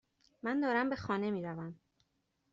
من دارم به خانه میروم.